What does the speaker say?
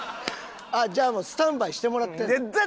ああじゃあもうスタンバイしてもらってるの？